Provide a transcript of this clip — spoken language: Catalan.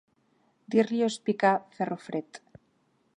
Dir-li-ho és picar ferro fred.